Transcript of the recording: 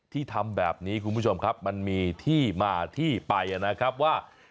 ที่ทำแบบนี้คุณผู้ชมครับมันมีที่มาที่ไปนะครับว่า